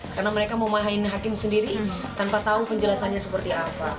karena mereka memahain hakim sendiri tanpa tahu penjelasannya seperti apa